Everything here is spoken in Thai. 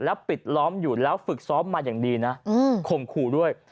ปิดล้อมอยู่แล้วฝึกซ้อมมาอย่างดีนะข่มขู่ด้วย